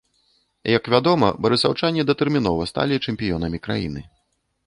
Як вядома, барысаўчане датэрмінова сталі чэмпіёнамі краны.